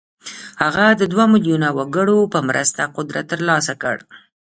هغه د دوه ميليونه وګړو په مرسته قدرت ترلاسه کړ.